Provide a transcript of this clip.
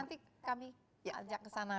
ya nanti kami ajak ke sana